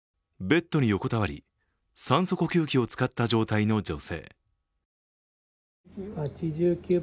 ベッドに横たわり、酸素呼吸器を使った状態の女性。